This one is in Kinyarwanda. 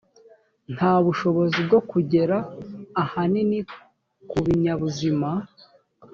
nta bushobozi bwo kugera ahanini ku binyabuzima